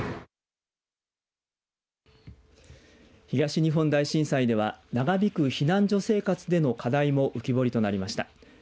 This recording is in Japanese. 東日本大震災では長引く避難所生活での課題も浮き彫りとなりました。